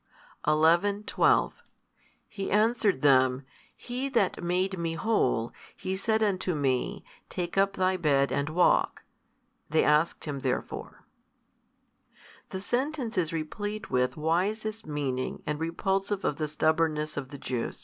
|240 11, 12 He answered them, He That made me whole, He said unto me, Take up thy bed and walk. They asked him therefore The sentence is replete with, wisest meaning and repulsive of the stubbornness of the Jews.